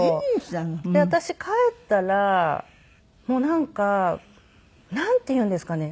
私帰ったらもうなんかなんていうんですかね。